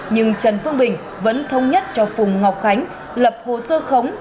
nhưng trần phương bình vẫn thông nhất cho phùng ngọc khánh lập hồ sơ khống